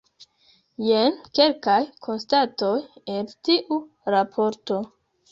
Jen kelkaj konstatoj el tiu raporto.